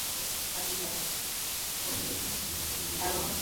How should the exercise of judicial power be based according to the text?